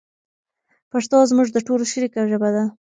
پښتو زموږ د ټولو شریکه ژبه ده.